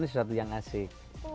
ini sesuatu yang asik